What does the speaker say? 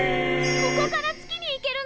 ここから月に行けるの！？